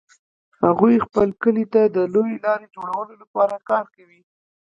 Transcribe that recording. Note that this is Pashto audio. هغوی خپل کلي ته د لویې لارې جوړولو لپاره کار کوي